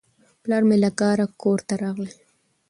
پلار مې له کاره کور ته راغی.